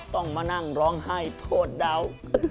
ต้องมานั่งร้องไห้โทษเดา